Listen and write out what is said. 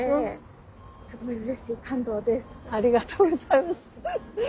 ありがとうございます。